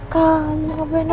kamu gak boleh na